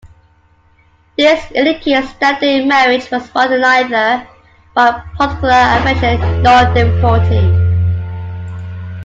This indicates that their marriage was marked neither by particular affection nor difficulty.